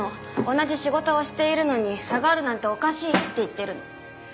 同じ仕事をしているのに差があるなんておかしいって言ってるの。